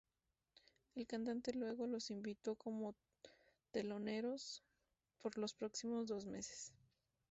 El cantante luego los invitó como teloneros por los próximos dos meses.